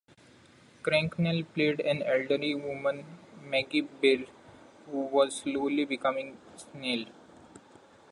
Cracknell played an elderly woman, Maggie Beare, who was slowly becoming senile.